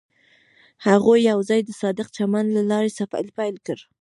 هغوی یوځای د صادق چمن له لارې سفر پیل کړ.